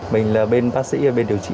mình là bên bác sĩ bên điều trị